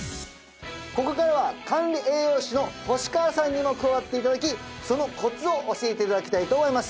ここからは管理栄養士の干川さんにも加わっていただきそのコツを教えていただきたいと思います